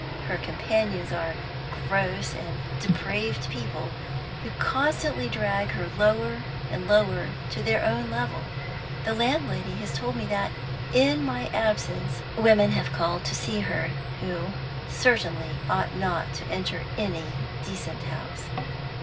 Her companions are gross and depraved people, who constantly drag her lower and lower, to their own level. The landlady has told me that, in my absence, women have called to see her who certainly ought not to enter any decent house.